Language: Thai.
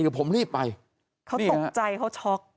เขาตกใจเขาช็อค